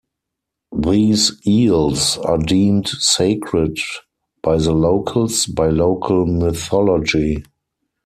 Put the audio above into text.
These eels are deemed sacred by the locals, by local mythology.